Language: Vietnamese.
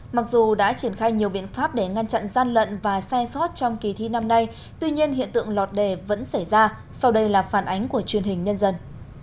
mặc dù đã triển khai nhiều biện pháp để ngăn chặn gian lận và sai sót trong kỳ thi năm nay tuy nhiên hiện tượng lọt đề vẫn xảy ra sau đây là phản ánh của truyền hình nhân dân